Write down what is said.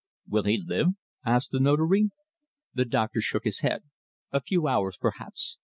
"Will he live?" asked the Notary. The doctor shook his head. "A few hours, perhaps.